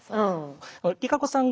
ＲＩＫＡＣＯさん